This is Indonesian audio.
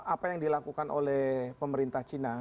apa yang dilakukan oleh pemerintah china